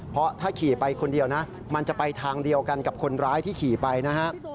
เพราะถ้าขี่ไปคนเดียวนะมันจะไปทางเดียวกันกับคนร้ายที่ขี่ไปนะฮะ